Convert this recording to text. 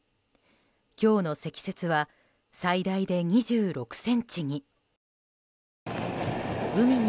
今日の積雪は最大で２６ｃｍに。